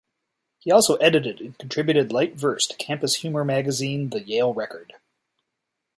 He also edited and contributed light verse to campus humor magazine "The Yale Record".